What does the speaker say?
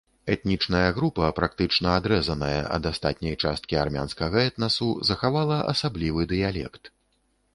Этнічная група, практычна адрэзаная ад астатняй часткі армянскага этнасу, захавала асаблівы дыялект.